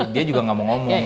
dia juga gak mau ngomong